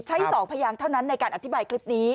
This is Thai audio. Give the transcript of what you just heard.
๒พยางเท่านั้นในการอธิบายคลิปนี้